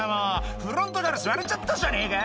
「フロントガラス割れちゃったじゃねえかよ」